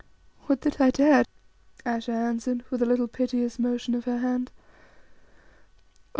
"Would that I dared," Ayesha answered with a little piteous motion of her hand. "Oh!